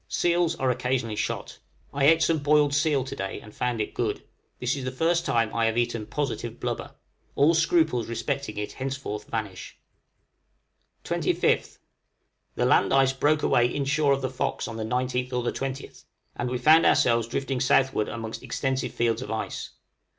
Seals are occasionally shot. I ate some boiled seal to day, and found it good: this is the first time I have eaten positive blubber; all scruples respecting it henceforth vanish. {NEARLY CAUGHT IN THE PACK.} 25th. The land ice broke away inshore of the 'Fox' on the 19th or 20th, and we found ourselves drifting southward amongst extensive fields of ice.